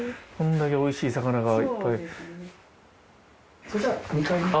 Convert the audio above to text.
こんだけ美味しい魚がいっぱい。